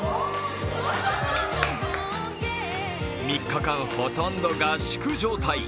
３日間、ほとんど合宿状態。